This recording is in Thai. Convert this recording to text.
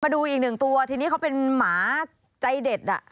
ดูอีกหนึ่งตัวทีนี้เขาเป็นหมาใจเด็ดอ่ะ